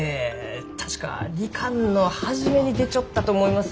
確か２巻の初めに出ちょったと思います。